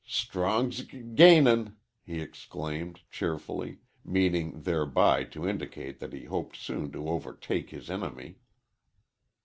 "Strong's g gainin'!" he exclaimed, cheerfully, meaning thereby to indicate that he hoped soon to overtake his enemy.